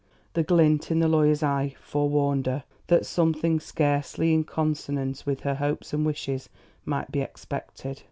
The glint in the lawyer's eye forewarned her that something scarcely in consonance with her hopes and wishes might be expected.